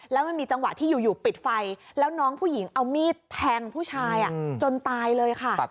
แล้วมันมีจังหวะที่อยู่ปิดไฟแล้วน้องผู้หญิงเอามีดแทงผู้ชายจนตายเลยค่ะ